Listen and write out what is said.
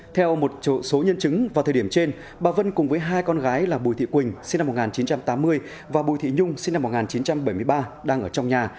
theo một số nhân chứng vào thời điểm trên bà vân cùng với hai con gái là bùi thị quỳnh sinh năm một nghìn chín trăm tám mươi và bùi thị nhung sinh năm một nghìn chín trăm bảy mươi ba đang ở trong nhà